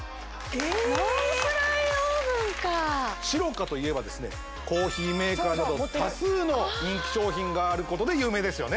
ええっノンフライオーブンかｓｉｒｏｃａといえばですねコーヒーメーカーなど多数の人気商品があることで有名ですよね